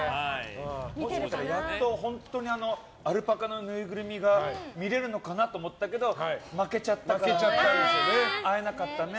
やっと本当にアルパカのぬいぐるみが見れるのかなと思ったけど負けちゃったから会えなかったね。